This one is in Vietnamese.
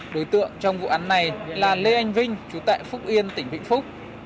đối tượng trong vụ án này là lê anh vinh chú tại phúc yên tỉnh vĩnh phúc